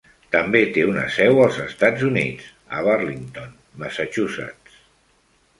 També té una seu als Estats Units, a Burlington (Massachusetts).